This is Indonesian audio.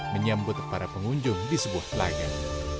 menyambut para pengunjung di sebuah laga